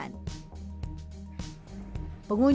pengunjung bakso ini juga bisa mencoba